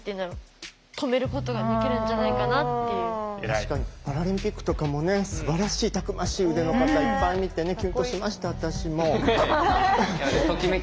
確かにパラリンピックとかもねすばらしいたくましい腕の方いっぱい見てねキュンとしました私も。